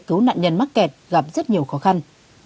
cứu nạn nhân mắc kẹt gặp rất nhiều khó khăn